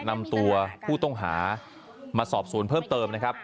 นำตัวผู้ต้องหามาสอบสวนเพิ่มเติมนะครับ